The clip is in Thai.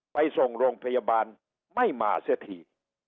ไปส่งโรงพยาบาลไม่มาเสียที